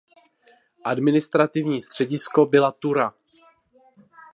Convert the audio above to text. Administrativní středisko byla Tura.